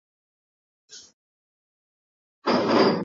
Ya Funchal ya Santo Antonio na kama mtoto mdogo zaidi